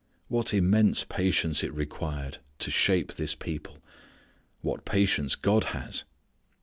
What immense patience it required to shape this people. What patience God has.